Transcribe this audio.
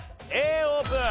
Ａオープン！